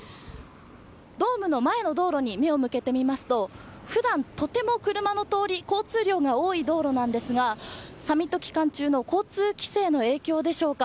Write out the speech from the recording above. ドームの前の道路に目を向けてみますと普段、とても車の通り交通量が多い道路なんですがサミット期間中の交通規制の影響でしょうか。